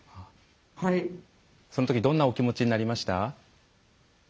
そのときどんなお気持ちになりました？